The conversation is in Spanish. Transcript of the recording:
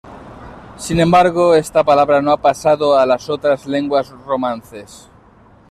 Sin embargo, esta palabra no ha pasado a las otras lenguas romances.